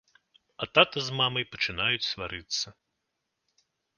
А тата з мамай пачынаюць сварыцца.